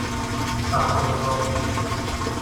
Krasse Nummer.